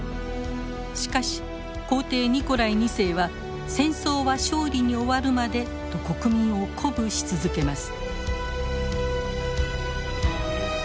しかし皇帝ニコライ２世は「戦争は勝利に終わるまで！」と国民を鼓舞し続けます。